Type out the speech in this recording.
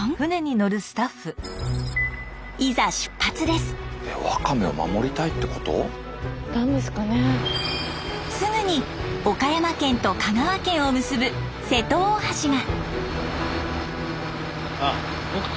すぐに岡山県と香川県を結ぶ瀬戸大橋が。